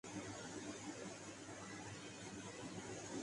players in T twenty leagues نے